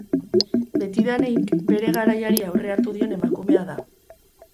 Betidanik, bere garaiari aurre hartu dion emakumea da.